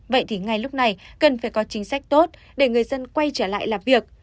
vậy thì ngay lúc này cần phải có chính sách tốt để người dân quay trở lại làm việc